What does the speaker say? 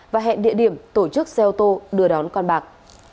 và hẹn địa điểm tổ chức xe ô tô đưa đón con bạc